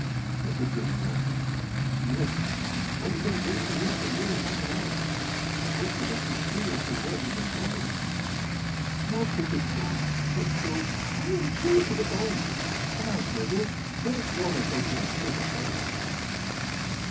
said the German, laughing. "Yes; I have been waiting here for nearly half an hour." "I hope you left no clue as to where we were going." "Not such a fool! By Jove, I am chilled to the bone! Come on, Burger, let us warm ourselves by a spurt of hard walking."